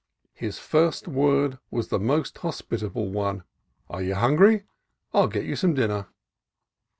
His first word was the usual hos pitable one, "Are you hungry? I'll get you some dinner."